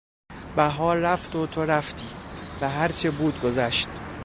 بهار رفت و تو رفتی و هر چه بود گذشت...